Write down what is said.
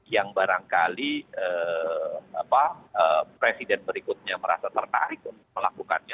yang barangkali presiden berikutnya merasa tertarik untuk melakukannya